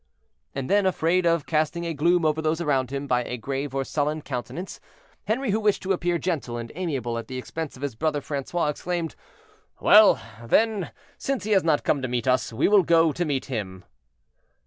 And then, afraid of casting a gloom over those around him by a grave or sullen countenance, Henri, who wished to appear gentle and amiable at the expense of his brother Francois, exclaimed, "Well, then, since he has not come to meet us, we will go to meet him."